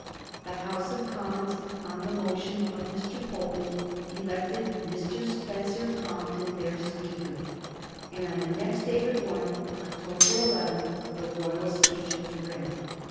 The House of Commons, on the motion of Mr. Pulteney, elected Mr. Spencer Compton their Speaker, and on the next day but one, October 11, the Royal speech was read.